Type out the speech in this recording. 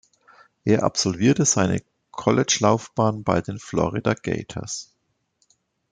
Er absolvierte seine Collegelaufbahn bei den Florida Gators.